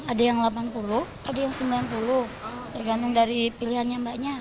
ada yang delapan puluh ada yang sembilan puluh tergantung dari pilihannya mbaknya